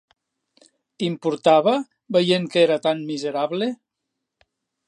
Importava, veient que era tan miserable?